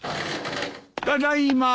ただいまー。